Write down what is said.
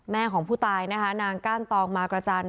ของผู้ตายนะคะนางก้านตองมากระจันท